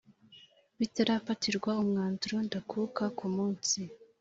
bitarafatirwa umwanzuro ndakuka ku munsi